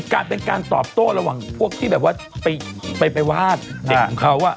การเป็นการตอบโต้ระหว่างพวกที่แบบว่าไปวาดเด็กของเขา